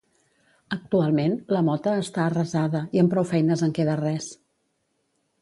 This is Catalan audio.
Actualment, la mota està arrasada, i amb prou feines en queda res.